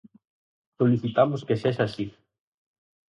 Solicitamos que sexa así.